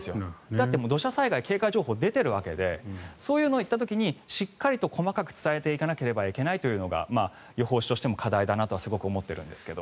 だって土砂災害警戒情報が出ているわけでそういうのを言った時にしっかりと細かく伝えていかないといけないというのが予報士としても課題だなとすごく思っているんですが。